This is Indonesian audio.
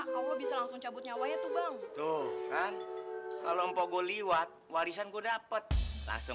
kalau bisa langsung cabut nyawanya tuh bang tuh kan kalau empok goliwat warisan gue dapet langsung